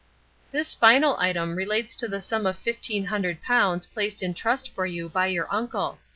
"This final item relates to the sum of fifteen hundred pounds placed in trust for you by your uncle.